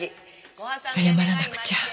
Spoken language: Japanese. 謝らなくちゃ。